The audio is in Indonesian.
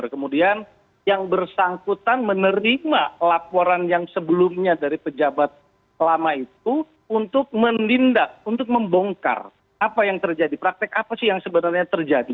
kemudian yang bersangkutan menerima laporan yang sebelumnya dari pejabat lama itu untuk menindak untuk membongkar apa yang terjadi praktek apa sih yang sebenarnya terjadi